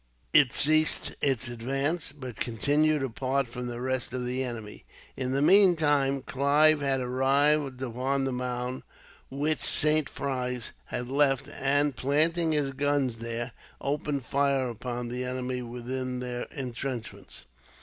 It ceased its advance, but continued apart from the rest of the enemy. In the meantime, Clive had arrived upon the mound which Saint Frais had left; and, planting his guns there, opened fire upon the enemy within their intrenchments.